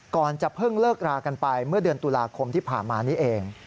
ก่อนจะเพิ่งเลิกรากันไปเมื่อเดือนตุลาคมที่ผ่านมานี้เอง